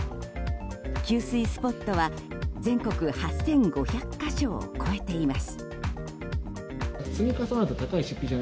給水スポットは全国８５００か所を超えています。